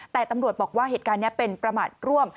แต่ตำรวจบอกว่าเหตุการณ์นี้เป็นประมาทร่วม